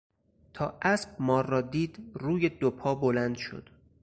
تا اسب مار را دید روی دو پا بلند شد.